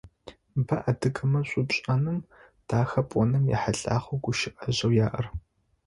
Бэ адыгэмэ шӏу пшӏэным, дахэ пӏоным ехьылӏагъэу гущыӏэжъэу яӏэр.